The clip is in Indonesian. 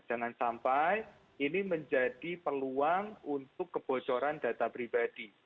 jangan sampai ini menjadi peluang untuk kebocoran data pribadi